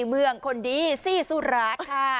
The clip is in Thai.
เมืองคนดีซี่สุราชค่ะ